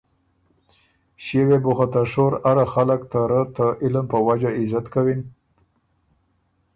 ݭيې وې بو خه ته شور اره خلق ته رۀ ته علم په وجه عزت کَوِن،